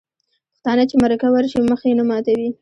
پښتانه چې مرکه ورشي مخ یې نه ماتوي.